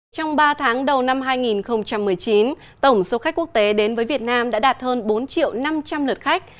trong ba tháng đầu năm hai nghìn một mươi chín tổng số khách quốc tế đến với việt nam đã đạt hơn bốn triệu năm trăm linh lượt khách